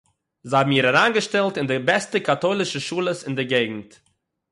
זיי האָבן איר אַריינגעשטעלט אין די בעסטע קאַטוילישע שולעס אין דער געגנט